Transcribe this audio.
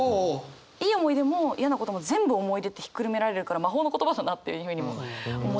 いい思い出も嫌なことも全部思い出ってひっくるめられるから魔法の言葉だなっていうふうにも思いますし。